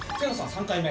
３回目。